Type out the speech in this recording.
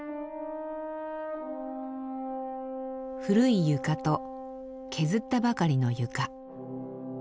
古い床と削ったばかりの床。